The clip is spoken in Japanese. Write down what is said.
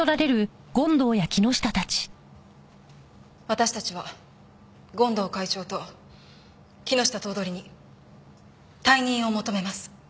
私たちは権藤会長と木下頭取に退任を求めます。